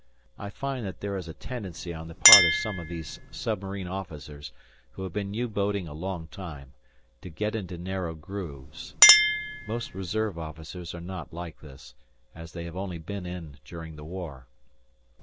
I find that there is a tendency on the part of some of these submarine officers, who have been U boating a long time, to get into narrow grooves. Most reserve officers are not like this, as they have only been in during the war.